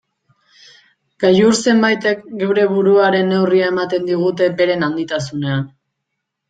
Gailur zenbaitek geure buruaren neurria ematen digute beren handitasunean.